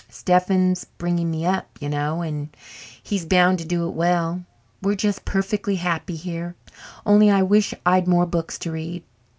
Stephen's bringing me up, you know, and he's bound to do it well. We're just perfectly happy here, only I wish I'd more books to read.